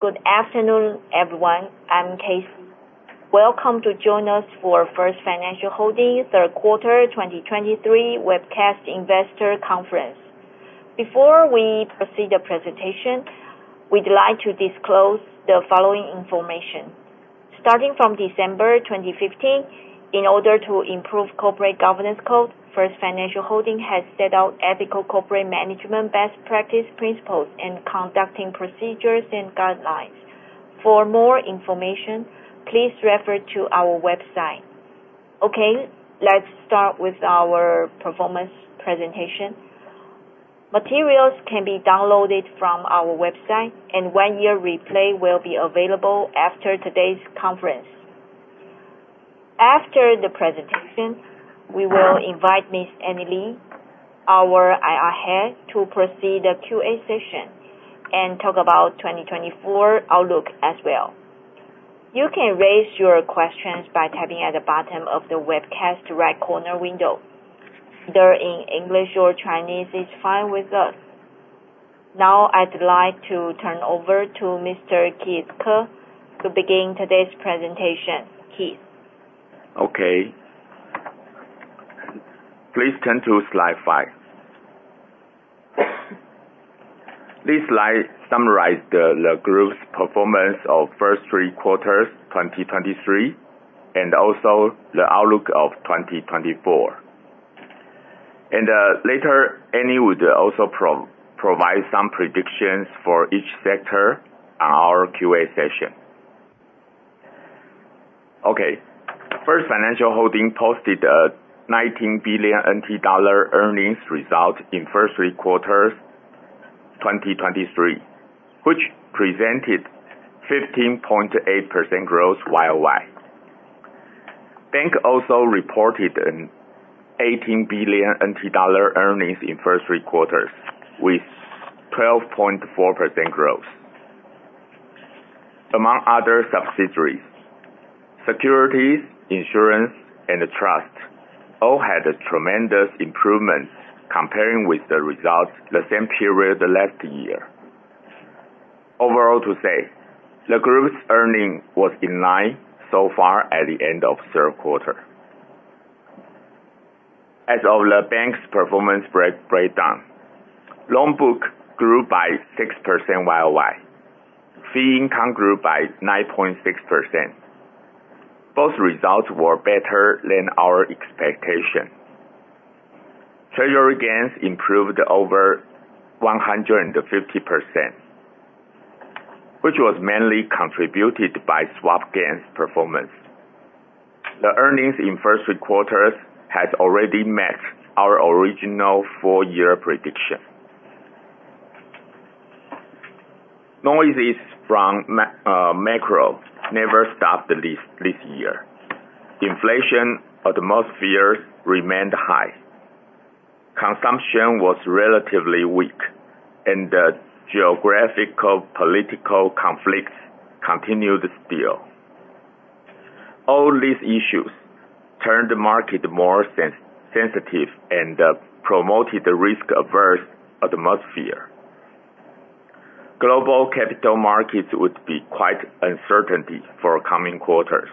Good afternoon, everyone. I'm Kate. Welcome to join us for First Financial Holding third quarter 2023 webcast investor conference. Before we proceed the presentation, we'd like to disclose the following information. Starting from December 2015, in order to improve corporate governance code, First Financial Holding has set out ethical corporate management best practice principles and conducting procedures and guidelines. For more information, please refer to our website. Okay, let's start with our performance presentation. Materials can be downloaded from our website, and one-year replay will be available after today's conference. After the presentation, we will invite Ms. Annie Lee, our IR head, to proceed the QA session and talk about 2024 outlook as well. You can raise your questions by typing at the bottom of the webcast right corner window. They're in English or Chinese is fine with us. I'd like to turn over to Mr. Keith Ke to begin today's presentation. Keith. Okay. Please turn to slide five. This slide summarize the group's performance of first three quarters 2023, and also the outlook of 2024. Later, Annie would also provide some predictions for each sector on our QA session. Okay. First Financial Holding posted a 19 billion NT dollar earnings result in first three quarters 2023, which presented 15.8% growth YOY. Bank also reported a 18 billion NT dollar earnings in first three quarters with 12.4% growth. Among other subsidiaries, securities, insurance, and trust all had a tremendous improvement comparing with the results the same period last year. Overall to say, the group's earning was in line so far at the end of third quarter. As of the bank's performance breakdown, loan book grew by 6% YOY. Fee income grew by 9.6%. Both results were better than our expectation. Treasury gains improved over 150%, which was mainly contributed by swap gains performance. The earnings in first three quarters has already met our original full year prediction. Noises from macro never stopped this year. Inflation atmospheres remained high. Consumption was relatively weak and the geographical political conflicts continued still. All these issues turned the market more sensitive and promoted the risk-averse atmosphere. Global capital markets would be quite uncertainty for coming quarters.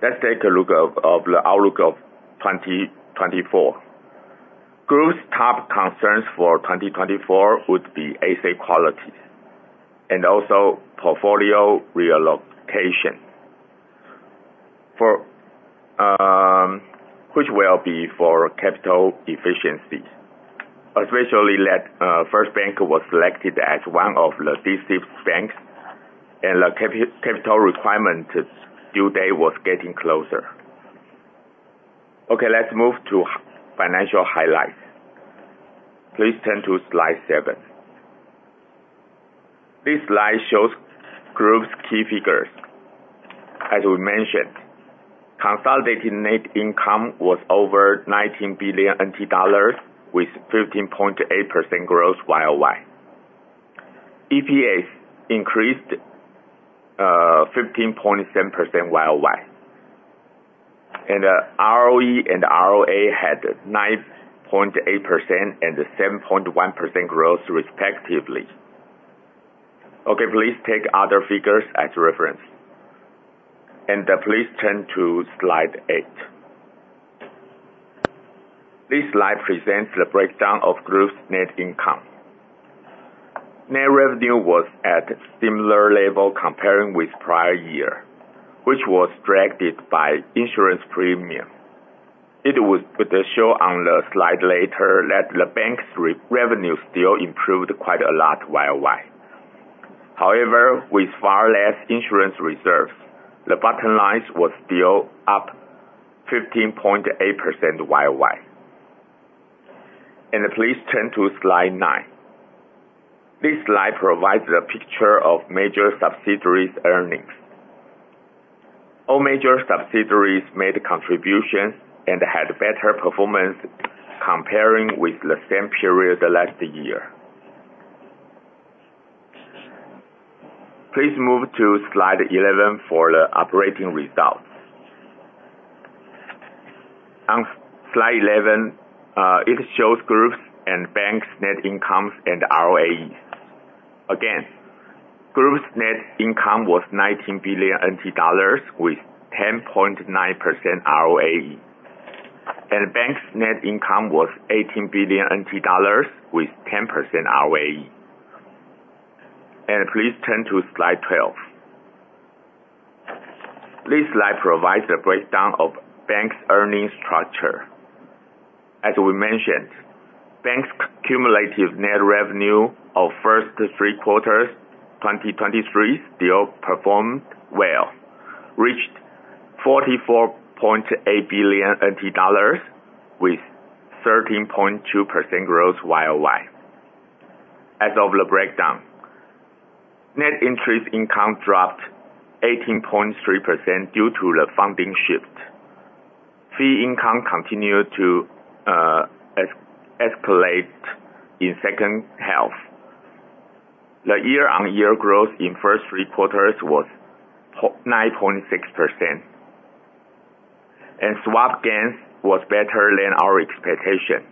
Let's take a look of the outlook of 2024. Group's top concerns for 2024 would be asset quality and also portfolio reallocation, which will be for capital efficiency, especially that First Bank was selected as one of the D-SIBs banks, and the capital requirement due date was getting closer. Okay, let's move to financial highlights. Please turn to slide seven. This slide shows group's key figures. As we mentioned, consolidated net income was over 19 billion NT dollars with 15.8% growth year-over-year. EPS increased 15.7% year-over-year. ROE and ROA had 9.8% and 7.1% growth respectively. Okay, please take other figures as reference, please turn to slide eight. This slide presents the breakdown of group's net income. Net revenue was at similar level comparing with prior year, which was dragged by insurance premium. It would show on the slide later that the bank's revenue still improved quite a lot year-over-year. However, with far less insurance reserves, the bottom line was still up 15.8% year-over-year. Please turn to slide nine. This slide provides the picture of major subsidiaries earnings. All major subsidiaries made a contribution and had better performance comparing with the same period last year. Please move to slide 11 for the operating result. On slide 11, it shows groups and banks' net incomes and ROAE. Again, group's net income was 19 billion NT dollars with 10.9% ROAE. Bank's net income was 18 billion dollars with 10% ROAE. Please turn to slide 12. This slide provides a breakdown of bank's earning structure. As we mentioned, bank's cumulative net revenue of first three quarters 2023 still performed well, reached 44.8 billion NT dollars, with 13.2% growth year-over-year. As of the breakdown, net interest income dropped 18.3% due to the funding shift. Fee income continued to escalate in second half. The year-on-year growth in first three quarters was 9.6%. Swap gains was better than our expectation,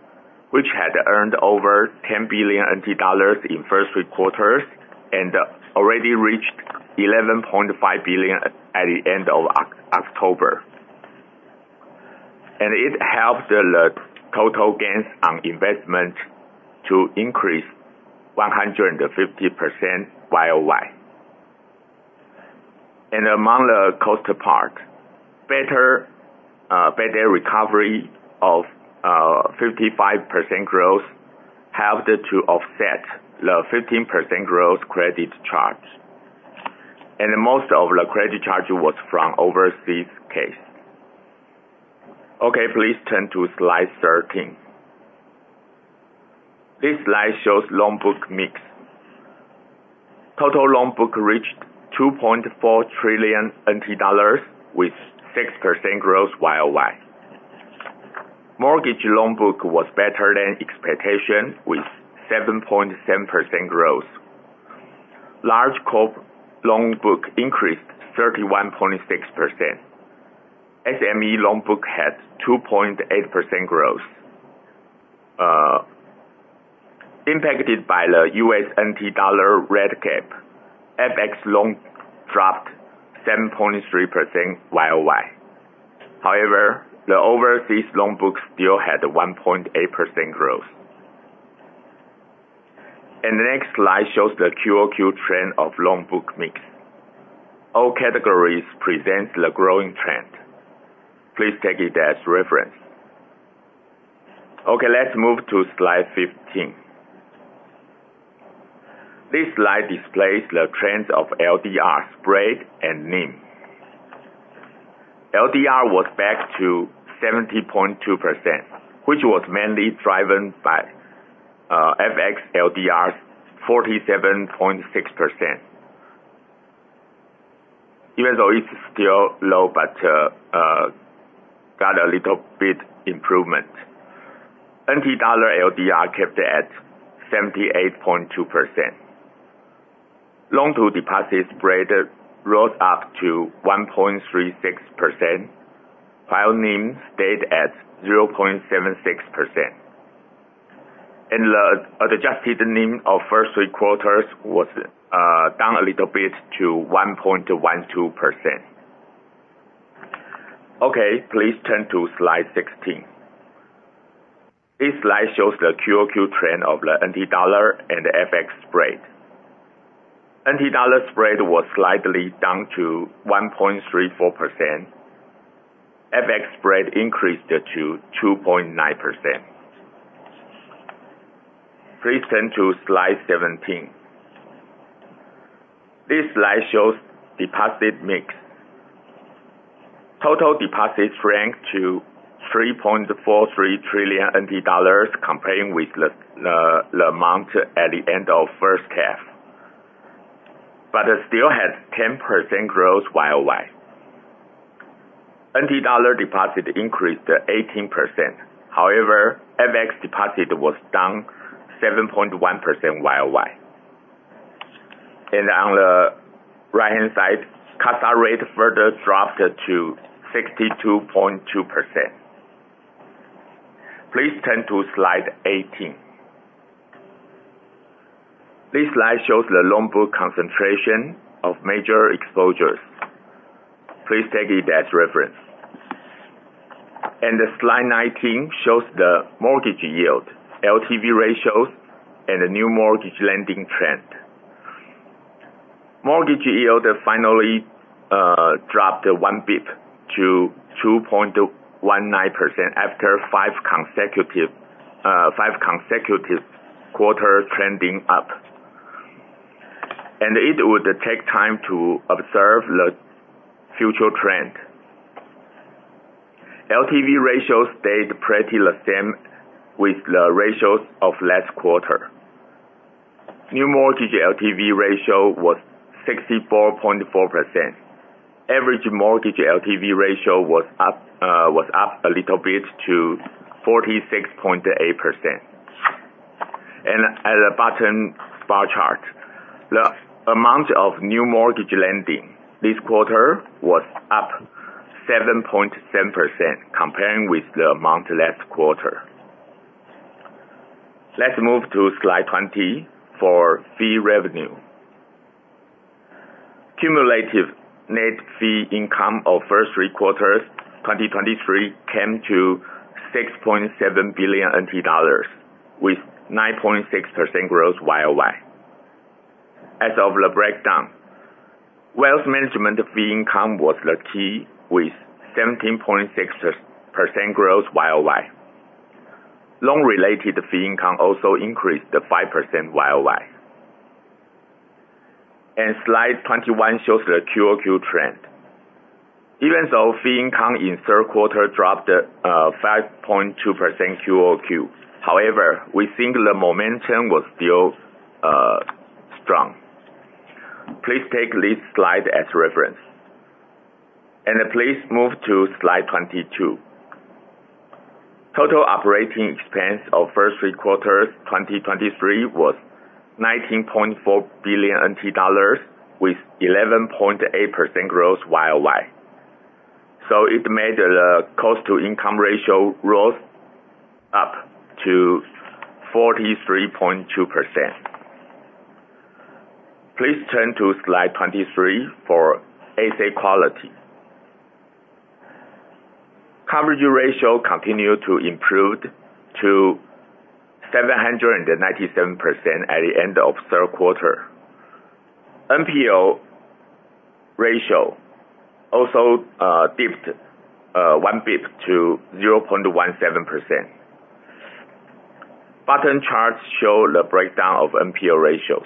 which had earned over 10 billion NT dollars in first three quarters and already reached 11.5 billion at the end of October. It helped the total gains on investment to increase 150% year-over-year. Among the cost part, better recovery of 55% growth helped to offset the 15% growth credit charge. Most of the credit charge was from overseas case. Okay, please turn to slide 13. This slide shows loan book mix. Total loan book reached 2.4 trillion NT dollars, with 6% growth year-over-year. Mortgage loan book was better than expectation with 7.7% growth. Large corp loan book increased 31.6%. SME loan book had 2.8% growth. Impacted by the U.S. NT dollar rate cap, FX loan dropped 7.3% year-over-year. However, the overseas loan book still had 1.8% growth. The next slide shows the quarter-over-quarter trend of loan book mix. All categories present the growing trend. Please take it as reference. Okay, let's move to slide 15. This slide displays the trends of LDR spread and NIM. LDR was back to 70.2%, which was mainly driven by FX LDR's 47.6%. Even though it's still low, but got a little bit improvement. NT dollar LDR kept at 78.2%. Loan-to-deposit spread rose up to 1.36%, while NIM stayed at 0.76%. The adjusted NIM of first three quarters was down a little bit to 1.12%. Okay, please turn to slide 16. This slide shows the quarter-over-quarter trend of the NT dollar and FX spread. NT dollar spread was slightly down to 1.34%. FX spread increased to 2.9%. Please turn to slide 17. This slide shows deposit mix. Total deposits ranked to 3.43 trillion NT dollars comparing with the amount at the end of first half. It still had 10% growth year-over-year. NT dollar deposit increased 18%. However, FX deposit was down 7.1% year-over-year. On the right-hand side, CASA rate further dropped to 62.2%. Please turn to slide 18. This slide shows the loan book concentration of major exposures. Please take it as reference. Slide 19 shows the mortgage yield, LTV ratios, and the new mortgage lending trend. Mortgage yield finally dropped 1 bp to 2.19% after 5 consecutive quarters trending up. It would take time to observe the future trend. LTV ratio stayed pretty the same with the ratios of last quarter. New mortgage LTV ratio was 64.4%. Average mortgage LTV ratio was up a little bit to 46.8%. At the bottom bar chart, the amount of new mortgage lending this quarter was up 7.7% comparing with the amount last quarter. Let's move to slide 20 for fee revenue. Cumulative net fee income of first three quarters 2023 came to 6.7 billion NT dollars with 9.6% growth YoY. As of the breakdown, wealth management fee income was the key with 17.6% growth YoY. Loan-related fee income also increased 5% YoY. Slide 21 shows the QoQ trend. Even though fee income in the third quarter dropped 5.2% QoQ, however, we think the momentum was still strong. Please take this slide as reference. Please move to slide 22. Total operating expense of the first three quarters 2023 was 19.4 billion NT dollars with 11.8% growth YoY. It made the cost-to-income ratio rise up to 43.2%. Please turn to slide 23 for asset quality. Coverage ratio continued to improve to 797% at the end of the third quarter. NPL ratio also dipped 1 bp to 0.17%. Bottom charts show the breakdown of NPL ratios.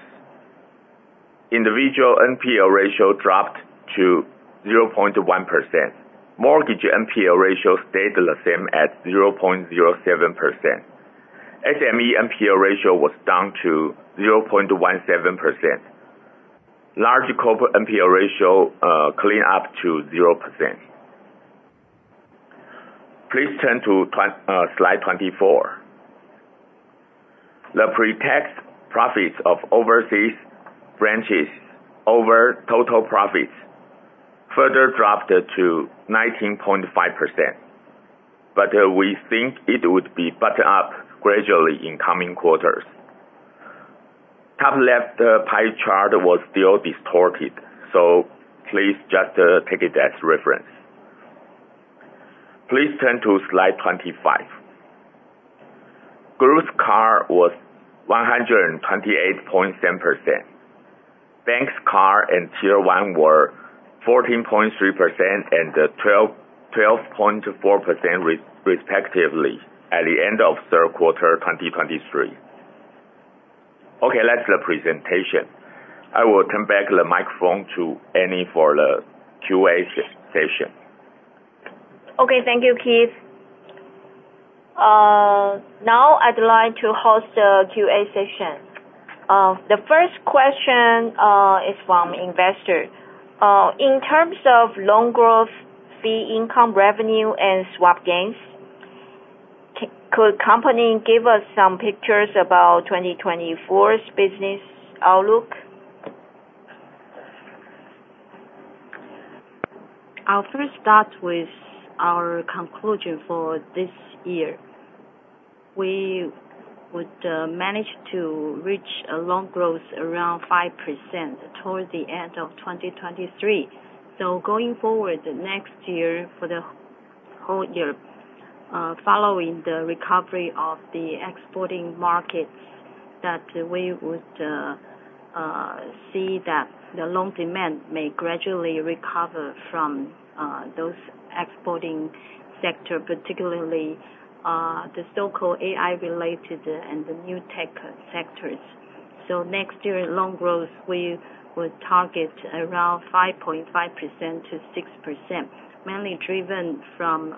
Individual NPL ratio dropped to 0.1%. Mortgage NPL ratio stayed the same at 0.07%. SME NPL ratio was down to 0.17%. Large corporate NPL ratio cleaned up to 0%. Please turn to slide 24. The pre-tax profits of overseas branches over total profits further dropped to 19.5%, we think it would be back up gradually in coming quarters. Top left pie chart was still distorted, please just take it as reference. Please turn to slide 25. Group CAR was 128.7%. Bank's CAR and Tier 1 were 14.3% and 12.4% respectively at the end of the third quarter 2023. That's the presentation. I will turn back the microphone to Annie for the QA session. Thank you, Keith. Now I'd like to host the QA session. The first question is from investor. In terms of loan growth, fee income revenue, and swap gains, could company give us some pictures about 2024's business outlook? I'll first start with our conclusion for this year. We would manage to reach a loan growth around 5% towards the end of 2023. Going forward, next year, for the whole year, following the recovery of the exporting markets, that we would see that the loan demand may gradually recover from those exporting sector, particularly the so-called AI related and the new tech sectors. Next year loan growth, we would target around 5.5%-6%, mainly driven from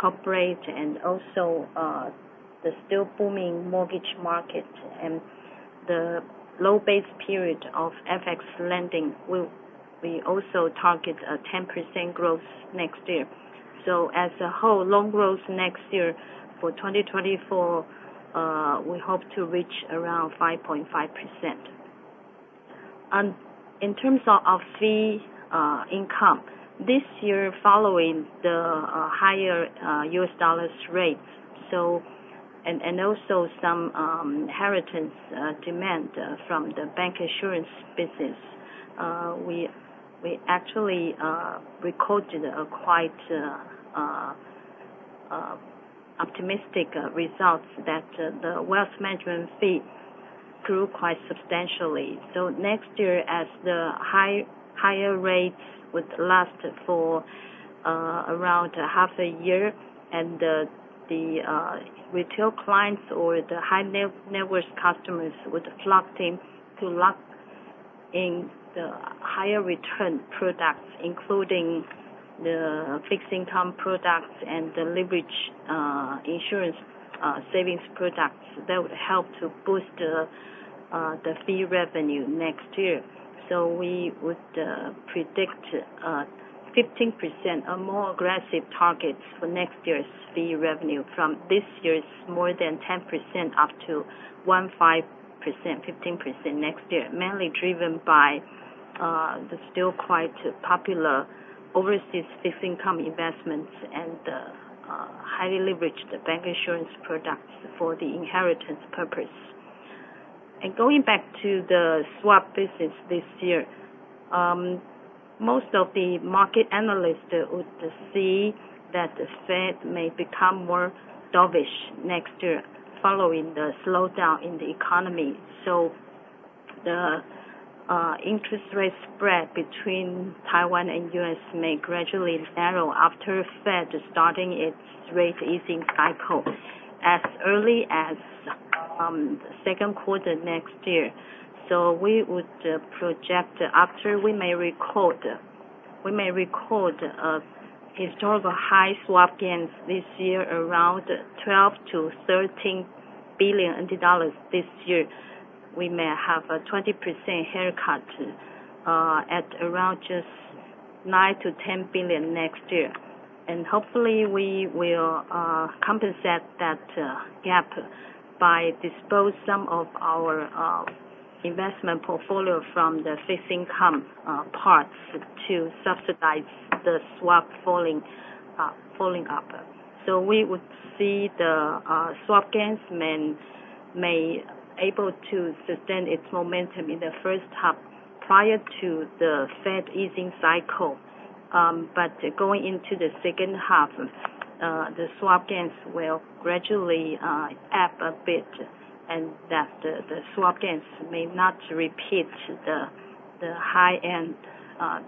corporate and also the still booming mortgage market and the low base period of FX lending. We also target a 10% growth next year. As a whole, loan growth next year for 2024, we hope to reach around 5.5%. In terms of our fee income, this year, following the higher US dollars rates and also some inheritance demand from the bank insurance business, we actually recorded a quite optimistic result that the wealth management fee grew quite substantially. Next year as the higher rates would last for around half a year and the retail clients or the high net worth customers would flock in to lock in the higher return products, including the fixed income products and the leverage insurance savings products, that would help to boost the the fee revenue next year. We would predict 15% or more aggressive targets for next year's fee revenue from this year's more than 10% up to 15% next year, mainly driven by the still quite popular overseas fixed income investments and the highly leveraged bank insurance products for the inheritance purpose. Going back to the swap business this year, most of the market analysts would see that the Federal Reserve may become more dovish next year following the slowdown in the economy. The interest rate spread between Taiwan and U.S. may gradually narrow after Federal Reserve starting its rate easing cycle as early as second quarter next year. We would project after we may record a historical high swap gains this year around $12 billion-$13 billion this year. We may have a 20% haircut at around just $9 billion-$10 billion next year. Hopefully, we will compensate that gap by dispose some of our investment portfolio from the fixed income parts to subsidize the swap falling up. We would see the swap gains may able to sustain its momentum in the first half prior to the Federal Reserve easing cycle. Going into the second half, the swap gains will gradually up a bit, and that the swap gains may not repeat the high end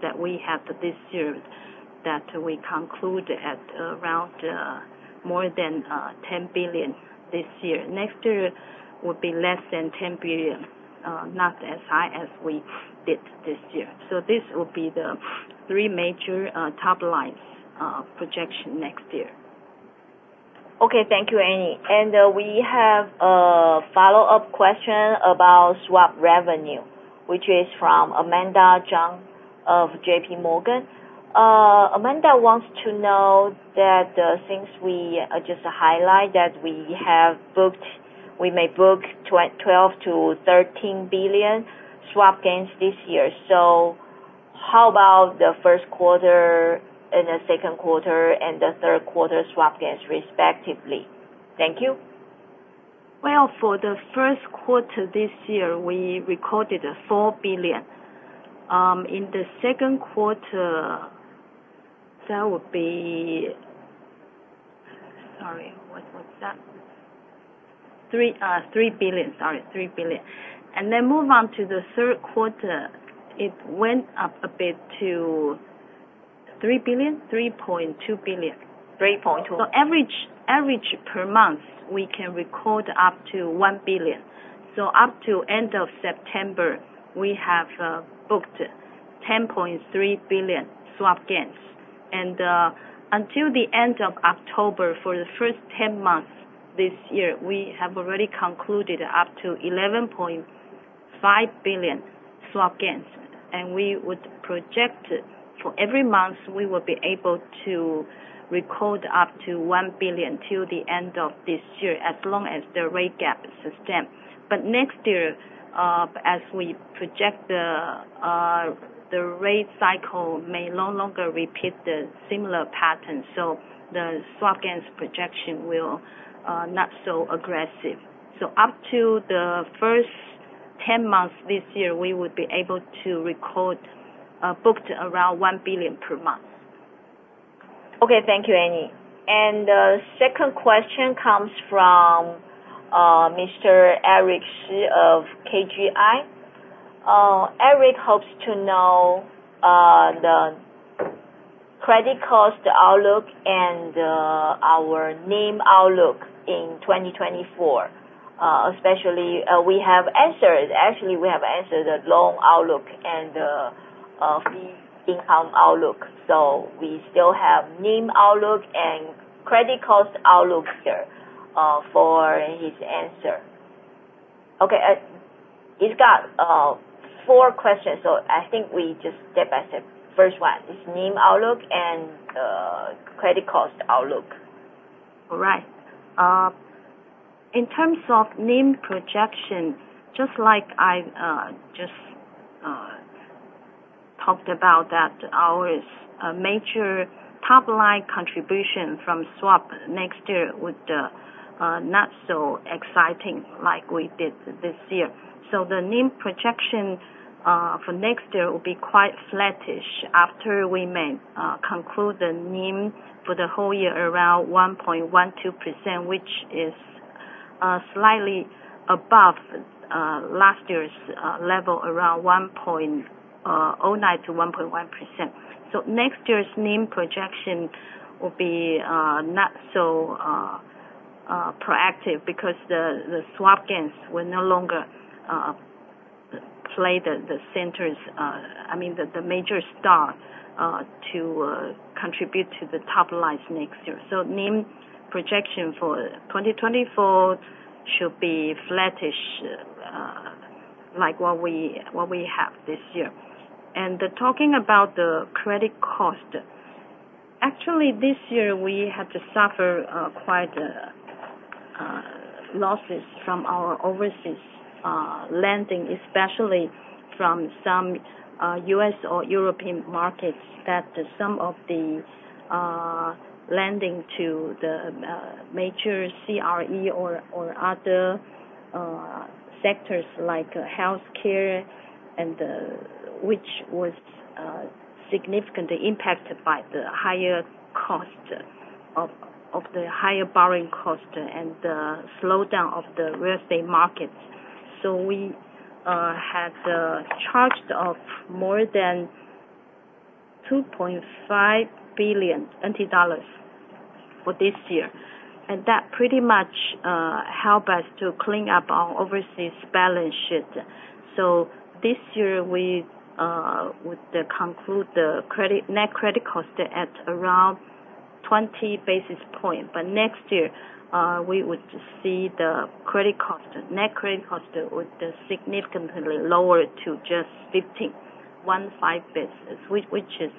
that we have this year, that we conclude at around more than $10 billion this year. Next year will be less than $10 billion, not as high as we did this year. This will be the three major top line projection next year. Okay. Thank you, Annie. We have a follow-up question about swap revenue, which is from Amanda Chang of JPMorgan. Amanda wants to know that since we just highlight that we may book 12 billion to 13 billion swap gains this year. How about the first quarter and the second quarter and the third quarter swap gains respectively? Thank you. For the first quarter this year, we recorded 4 billion. In the second quarter, that would be 3 billion. Move on to the third quarter, it went up a bit to 3 billion, 3.2 billion. 3.2. Average per month, we can record up to 1 billion. Up to end of September, we have booked 10.3 billion swap gains. Until the end of October, for the first 10 months this year, we have already concluded up to 11.5 billion swap gains. We would project for every month, we would be able to record up to 1 billion till the end of this year, as long as the rate gap sustain. Next year, as we project the rate cycle may no longer repeat the similar pattern, the swap gains projection will not so aggressive. Up to the first 10 months this year, we would be able to book around 1 billion per month. Okay. Thank you, Annie. Second question comes from Mr. Eric Shih of KGI. Eric Shih hopes to know the credit cost outlook and our NIM outlook in 2024. Actually, we have answered the loan outlook and the fee income outlook. We still have NIM outlook and credit cost outlook here for his answer. He's got four questions, I think we just step by step. First one is NIM outlook and credit cost outlook. All right. In terms of NIM projection, just like I just talked about that our major top line contribution from swap next year would not so exciting like we did this year. The NIM projection for next year will be quite flattish after we may conclude the NIM for the whole year around 1.12%, which is slightly above last year's level, around 1.09%-1.1%. Next year's NIM projection will be not so proactive because the swap gains will no longer Play the centers, the major star to contribute to the top line next year. NIM projection for 2024 should be flattish, like what we have this year. Talking about the credit cost, actually, this year, we had to suffer quite losses from our overseas lending, especially from some U.S. or European markets that some of the lending to the major CRE or other sectors like healthcare, which was significantly impacted by the higher borrowing cost and the slowdown of the real estate market. We had charged off more than 2.5 billion NT dollars for this year, and that pretty much helped us to clean up our overseas balance sheet. This year, we would conclude the net credit cost at around 20 basis points. Next year, we would see the net credit cost would significantly lower to just 15 basis points, which is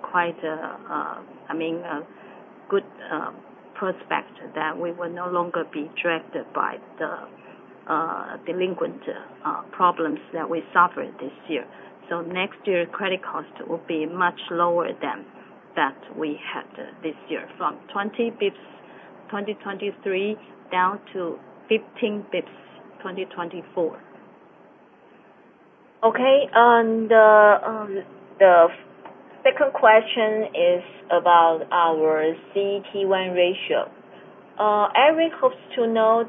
quite a good prospect that we will no longer be dragged by the delinquent problems that we suffered this year. Next year, credit cost will be much lower than that we had this year, from 20 basis points 2023 down to 15 basis points 2024. Okay. The second question is about our CET1 ratio. Eric hopes to know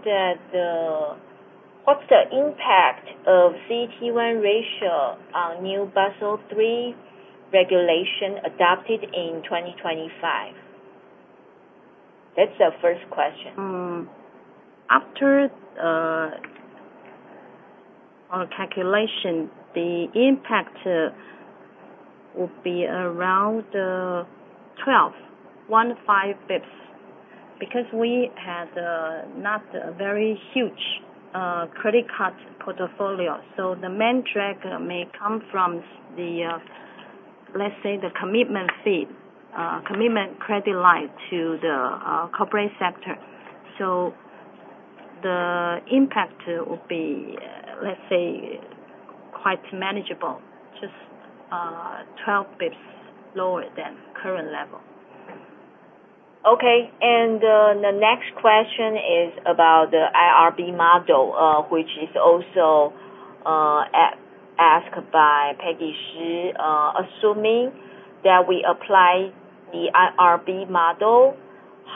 what's the impact of CET1 ratio on new Basel III regulation adopted in 2025? That's the first question. After our calculation, the impact will be around 12, one, five basis points, because we had not a very huge credit card portfolio. The main drag may come from the, let's say, the commitment fee, commitment credit line to the corporate sector. The impact will be, let's say, quite manageable, just 12 basis points lower than current level. Okay. The next question is about the IRB model, which is also asked by Peggy Shi. Assuming that we apply the IRB model,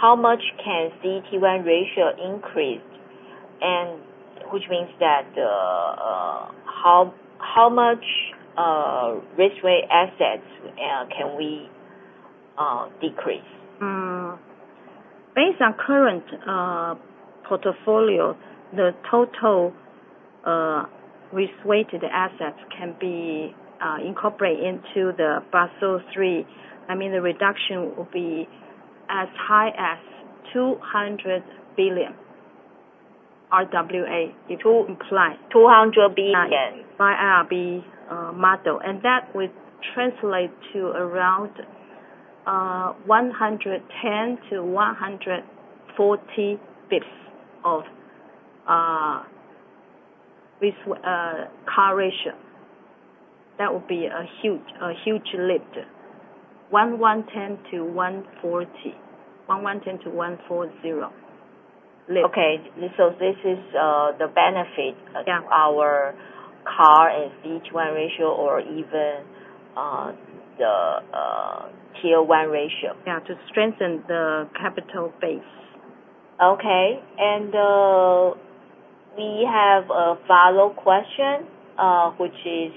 how much can CET1 ratio increase? Which means that, how much risk-weighted assets can we decrease? Based on current portfolio, the total risk-weighted assets can be incorporated into the Basel III. The reduction will be as high as 200 billion RWA if you apply. 200 billion IRB model. That would translate to around 110 to 140 basis points of risk CAR ratio. That would be a huge lift. 110 to 140. 110 to 140 lift. Okay. This is the benefit. Yeah of our CAR and CET1 ratio or even the Tier 1 ratio. Yeah. To strengthen the capital base. Okay. We have a follow-up question, which is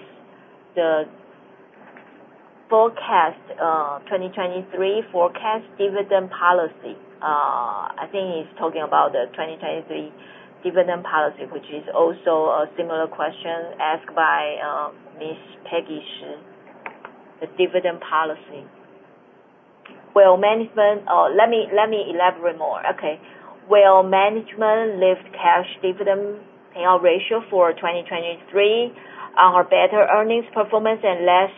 the 2023 forecast dividend policy. I think it's talking about the 2023 dividend policy, which is also a similar question asked by Ms. Peggy Shi. The dividend policy. Let me elaborate more. Okay. Will management lift cash dividend payout ratio for 2023 on better earnings performance and less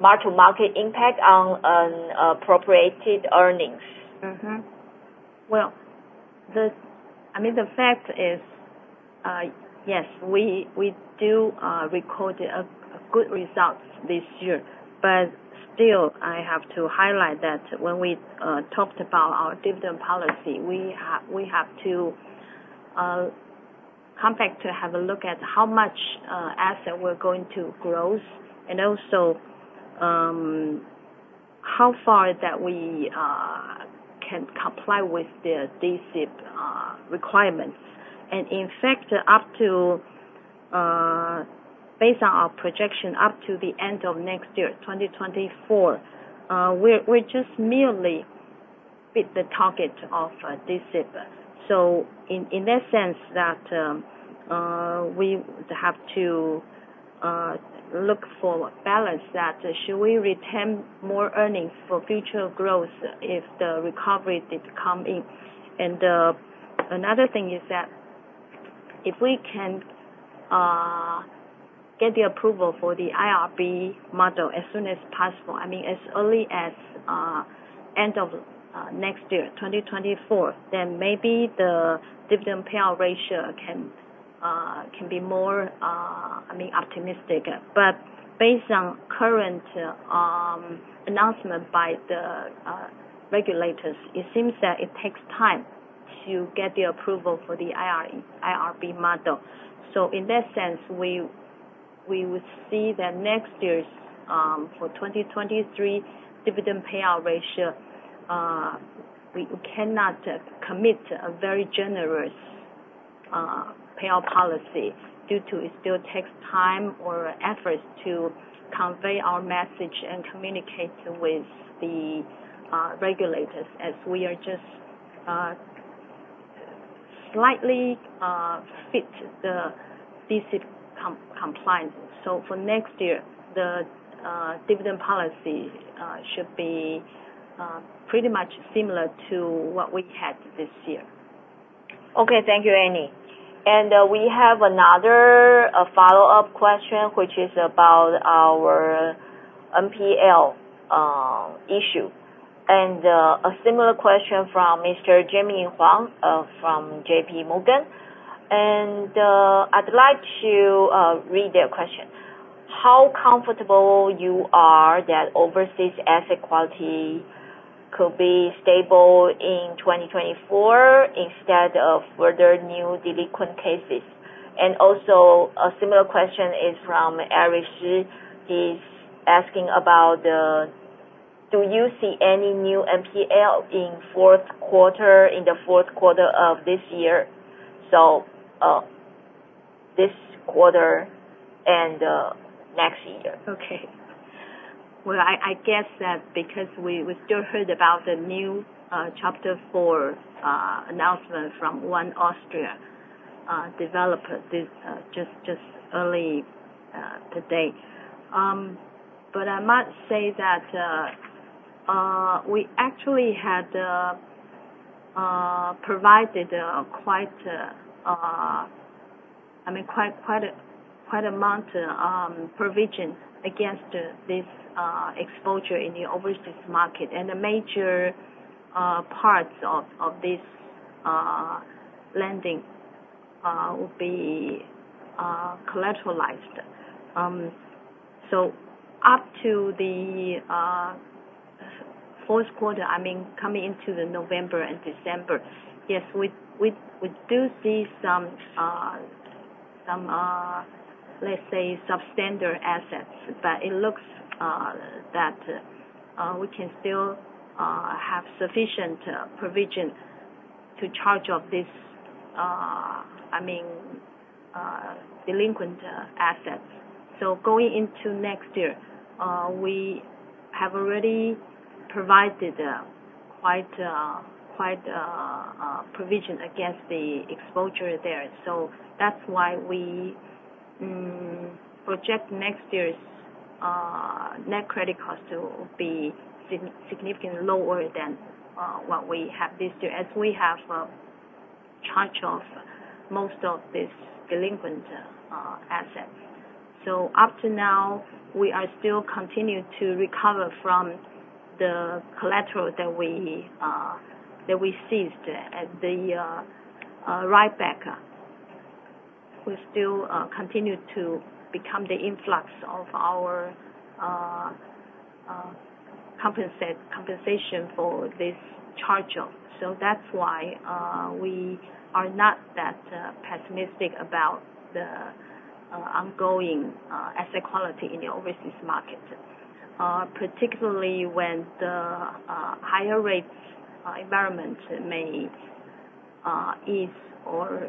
mark-to-market impact on appropriated earnings? Well, the fact is, yes, we do record a good result this year. Still, I have to highlight that when we talked about our dividend policy, we have to come back to have a look at how much asset we're going to grow, also how far that we can comply with the D-SIB requirements. In fact, based on our projection up to the end of next year, 2024, we're just merely fit the target of this D-SIB. In that sense, we have to look for balance that should we retain more earnings for future growth if the recovery did come in. Another thing is that if we can get the approval for the IRB model as soon as possible, as early as end of next year, 2024, maybe the dividend payout ratio can be more optimistic. Based on current announcement by the regulators, it seems that it takes time to get the approval for the IRB model. In that sense, we would see that next year's, for 2023, dividend payout ratio, we cannot commit a very generous payout policy due to it still takes time or efforts to convey our message and communicate with the regulators as we are just slightly fit the D-SIB compliance. For next year, the dividend policy should be pretty much similar to what we had this year. Okay. Thank you, Annie Lee. We have another follow-up question, which is about our NPL issue. A similar question from Mr. Jimmy Huang from JPMorgan, I'd like to read their question. How comfortable you are that overseas asset quality could be stable in 2024 instead of further new delinquent cases? Also a similar question is from Eric Shih. He's asking, do you see any new NPL in the fourth quarter of this year? This quarter and next year. Well, I guess that because we still heard about the new Chapter 11 announcement from one Austrian developer just early today. I must say that we actually had provided quite a amount provision against this exposure in the overseas market, and a major parts of this lending will be collateralized. Up to the fourth quarter, coming into the November and December, yes, we do see some, let's say, substandard assets, but it looks that we can still have sufficient provision to charge off this delinquent assets. Going into next year, we have already provided quite a provision against the exposure there. That's why we project next year's net credit cost to be significantly lower than what we have this year, as we have charged off most of this delinquent asset. Up to now, we are still continue to recover from the collateral that we seized at the write-back. We still continue to become the influx of our compensation for this charge off. That's why we are not that pessimistic about the ongoing asset quality in the overseas market, particularly when the higher rates environment may ease or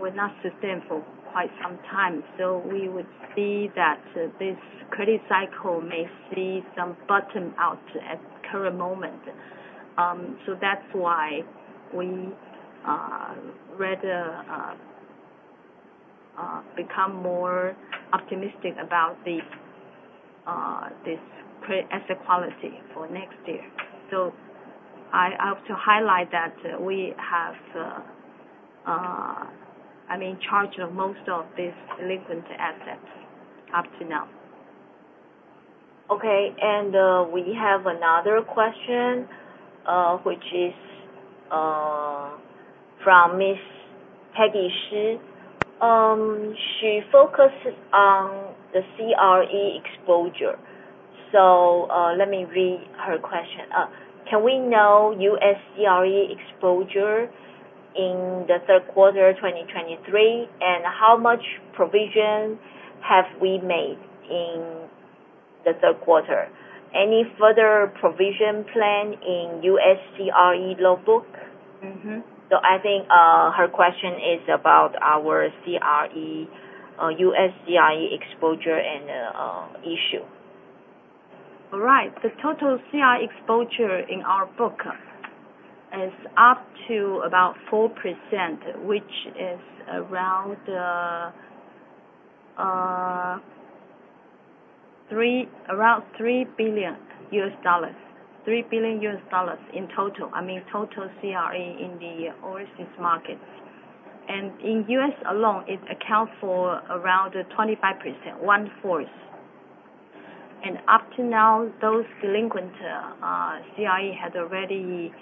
will not sustain for quite some time. We would see that this credit cycle may see some bottom out at current moment. That's why we rather become more optimistic about this asset quality for next year. I hope to highlight that we have charged most of these delinquent assets up to now. We have another question, which is from Miss Peggy Shi. She focuses on the CRE exposure. Let me read her question. Can we know U.S. CRE exposure in the third quarter 2023, and how much provision have we made in the third quarter? Any further provision plan in U.S. CRE loan book? I think her question is about our CRE, U.S. CRE exposure and issue. Right. The total CRE exposure in our book is up to about 4%, which is around $3 billion in total, I mean, total CRE in the overseas markets. In the U.S. alone, it accounts for around 25%, one-fourth. Up to now, those delinquent CRE has already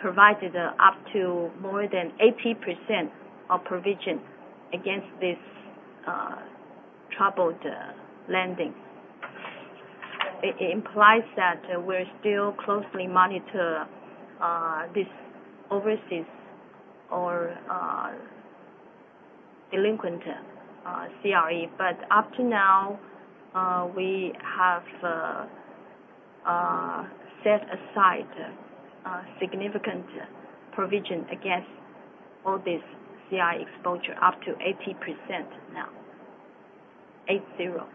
provided up to more than 80% of provision against this troubled lending. It implies that we're still closely monitor this overseas or delinquent CRE. Up to now, we have set aside a significant provision against all this CRE exposure, up to 80% now. Eight, zero.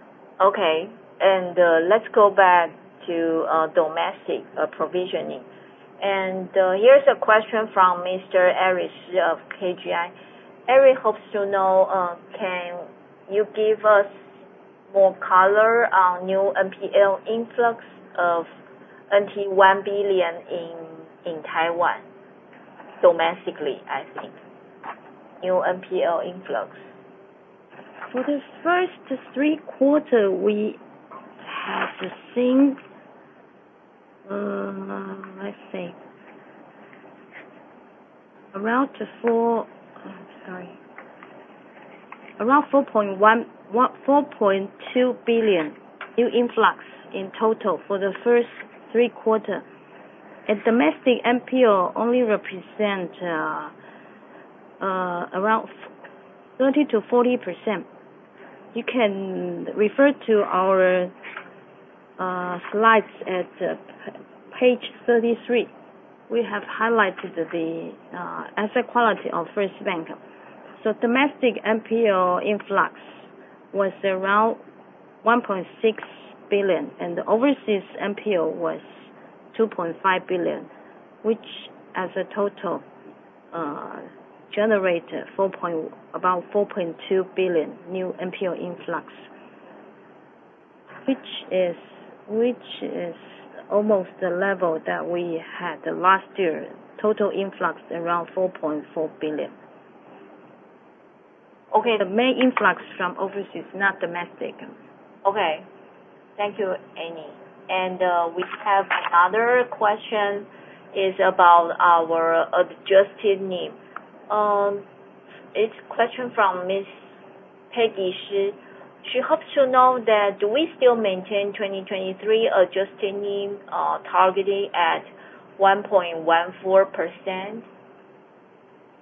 Okay. Let's go back to domestic provisioning. Here's a question from Mr. Eric of KGI. Eric hopes to know, can you give us more color on new NPL influx of 1 billion in Taiwan, domestically, I think. New NPL influx. For the first three quarters, we have seen Let's see. Sorry. Around 4.2 billion new influx in total for the first three quarters. Domestic NPL only represents around 30%-40%. You can refer to our slides at page 33. We have highlighted the asset quality of First Bank. Domestic NPL influx was around 1.6 billion, and the overseas NPL was 2.5 billion, which as a total, generated about 4.2 billion new NPL influx, which is almost the level that we had last year, total influx around 4.4 billion. Okay. The main influx from overseas, not domestic. Okay. Thank you, Annie. We have another question, it's about our adjusted NIM. It's a question from Ms. Peggy Shi. She hopes to know that do we still maintain 2023 adjusted NIM targeting at 1.14%?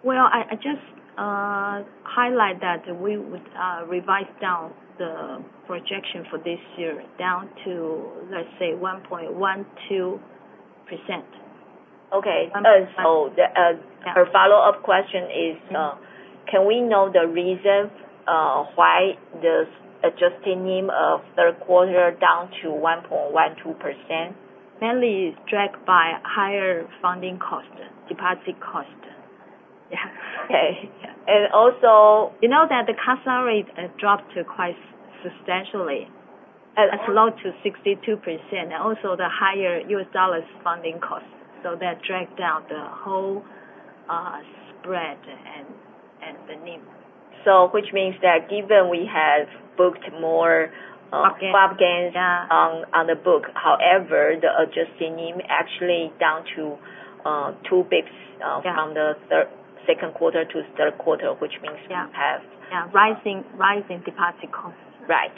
Well, I just highlight that we would revise down the projection for this year down to, let's say, 1.12%. Okay. 1.12. Her follow-up question is, can we know the reason why the adjusted NIM of the third quarter down to 1.12%? Mainly is dragged by higher funding cost, deposit cost. Yeah. Okay. You know that the customer rate has dropped quite substantially, as low to 62%, and also the higher US dollars funding cost. That dragged down the whole spread and the NIM. Which means that given we have booked more. Swap gains. swap gains. Yeah on the book. The adjusted NIM actually down to two basis points. Yeah from the second quarter to third quarter, which means we have. Yeah. Rising deposit costs. Right.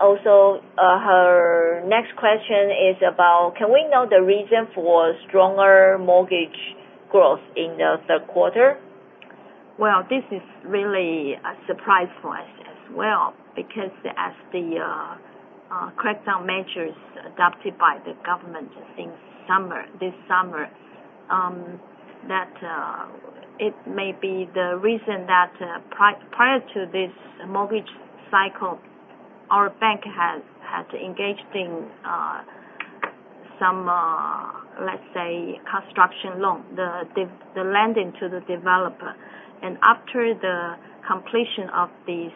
Also, her next question is about, can we know the reason for stronger mortgage growth in the third quarter? Well, this is really a surprise for us as well because as the crackdown measures adopted by the government this summer, that it may be the reason that prior to this mortgage cycle, our bank had engaged in some, let's say, construction loan, the lending to the developer. After the completion of these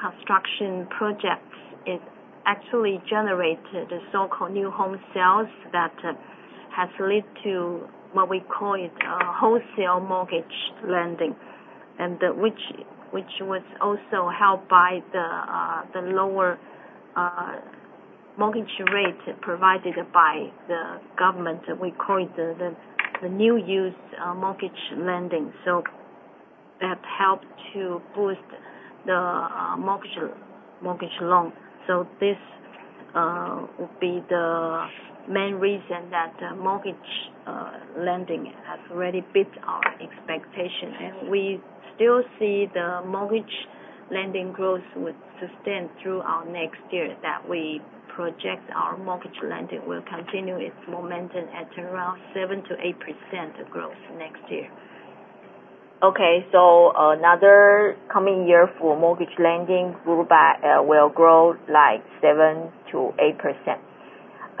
construction projects, it actually generated a so-called new home sales that has led to what we call it a wholesale mortgage lending, and which was also helped by the lower mortgage rate provided by the government. We call it the new use mortgage lending. That helped to boost the mortgage loan. This would be the main reason that mortgage lending has really beat our expectation, we still see the mortgage lending growth would sustain through our next year that we project our mortgage lending will continue its momentum at around 7%-8% growth next year. Okay. Another coming year for mortgage lending will grow like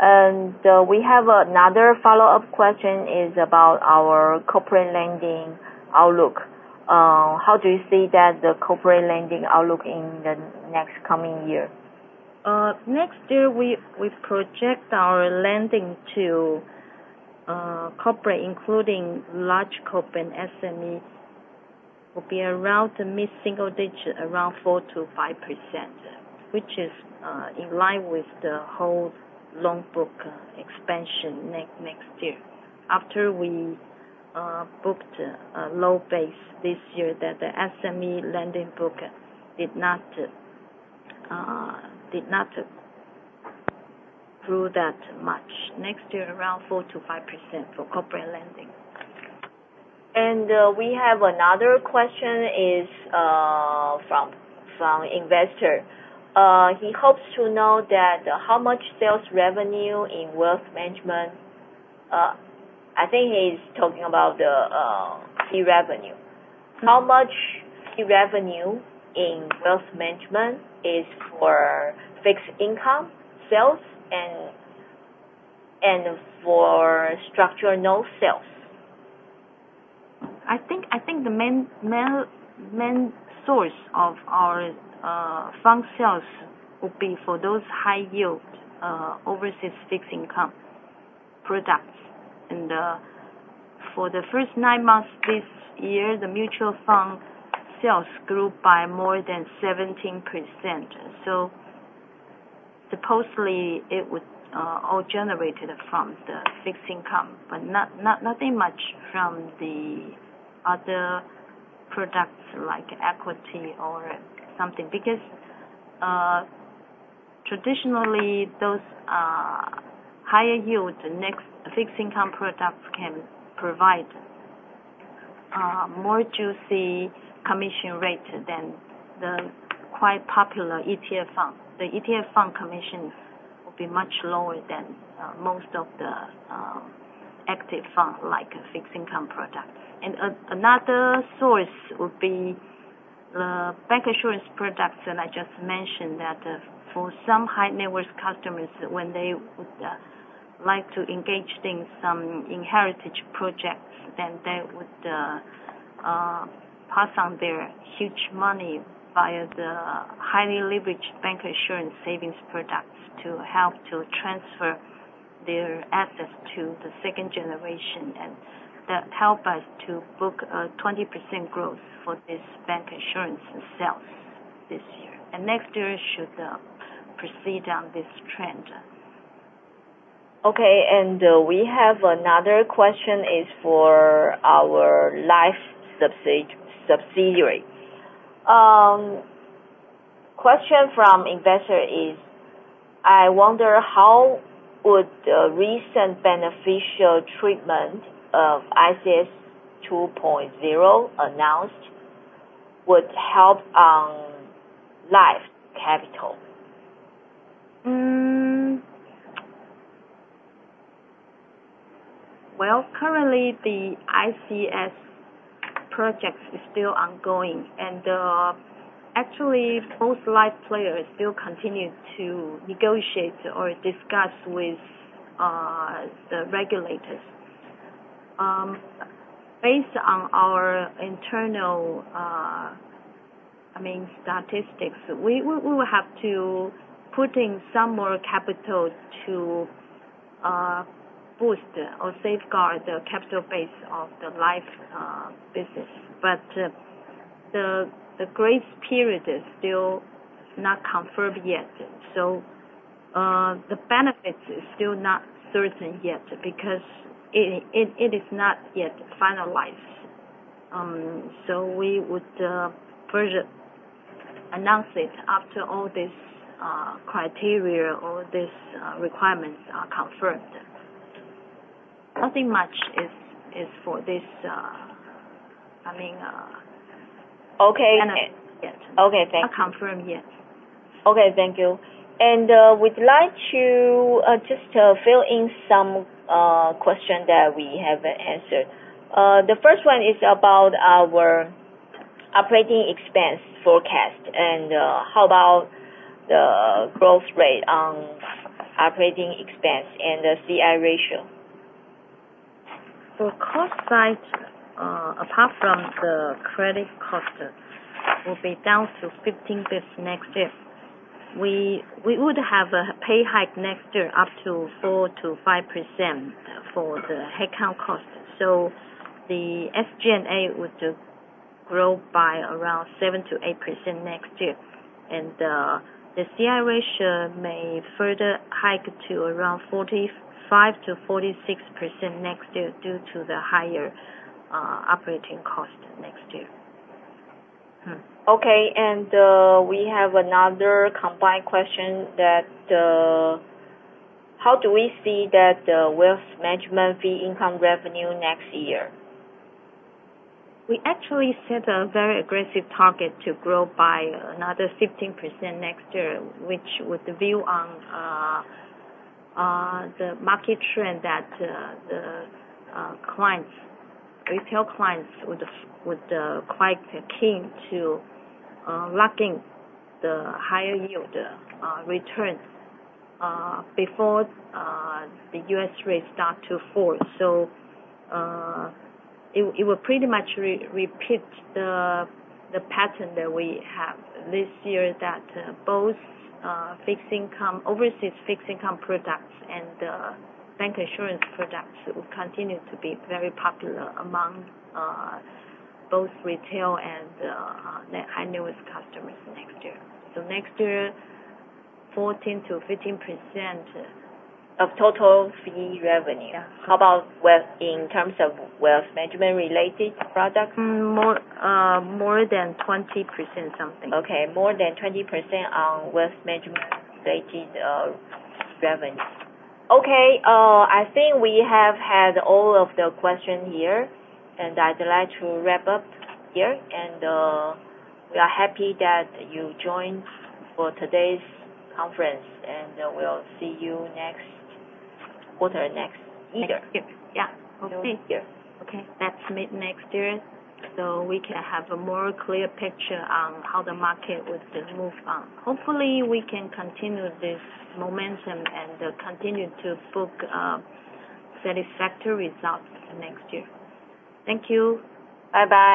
7%-8%. We have another follow-up question is about our corporate lending outlook. How do you see that the corporate lending outlook in the next coming year? Next year, we project our lending to corporate, including large corp and SMEs, will be around mid-single digit, around 4%-5%, which is in line with the whole loan book expansion next year. After we booked a low base this year that the SME lending book did not grow that much. Next year, around 4%-5% for corporate lending. We have another question is from investor. He hopes to know that how much sales revenue in wealth management, I think he is talking about the fee revenue, how much fee revenue in wealth management is for fixed-income sales and for structural sales? I think the main source of our fund sales will be for those high yield overseas fixed income products. For the first nine months this year, the mutual fund sales grew by more than 17%. Supposedly, it would all generated from the fixed income, but nothing much from the other products like equity or something. Traditionally those are higher yields. Next, fixed income products can provide more juicy commission rate than the quite popular ETF fund. The ETF fund commission will be much lower than most of the active fund, like a fixed-income product. Another source would be the bank insurance products that I just mentioned, that for some high-net-worth customers, when they would like to engage in some inheritance projects, then they would pass on their huge money via the highly leveraged bank insurance savings products to help to transfer their assets to the second generation. That help us to book a 20% growth for this bank insurance sales this year. Next year should proceed on this trend. Okay. We have another question is for our life subsidiary. Question from investor is, I wonder how would the recent beneficial treatment of ICS 2.0 announced would help on life capital? Well, currently the ICS project is still ongoing, actually most life players still continue to negotiate or discuss with the regulators. Based on our internal statistics, we will have to put in some more capitals to boost or safeguard the capital base of the life business. The grace period is still not confirmed yet, so the benefits is still not certain yet because it is not yet finalized. We would first announce it after all these criteria or these requirements are confirmed. Nothing much is for this. Okay. Not confirmed yet. Okay. Thank you. We'd like to just fill in some question that we haven't answered. The first one is about our operating expense forecast, how about the growth rate on operating expense and the CI ratio? For cost side, apart from the credit cost, will be down to 15 basis points next year. We would have a pay hike next year up to 4%-5% for the headcount cost. The SG&A would grow by around 7%-8% next year. The CI ratio may further hike to around 45%-46% next year due to the higher operating cost next year. Okay. We have another combined question that how do we see that the wealth management fee income revenue next year? We actually set a very aggressive target to grow by another 15% next year, which with the view on the market trend that the retail clients would quite keen to locking the higher yield returns before the U.S. rates start to fall. It will pretty much repeat the pattern that we have this year that both overseas fixed income products and bank insurance products will continue to be very popular among both retail and high-net-worth customers next year. Next year, 14%-15%. Of total fee revenue? Yeah. How about in terms of wealth management related product? More than 20% something. Okay. More than 20% on wealth management related revenue. Okay, I think we have had all of the question here. I'd like to wrap up here. We are happy that you joined for today's conference, and we'll see you next quarter, next year. Next year. Yeah. We'll see. Okay. Let's meet next year so we can have a more clear picture on how the market would move on. Hopefully, we can continue this momentum and continue to book satisfactory results next year. Thank you. Bye-bye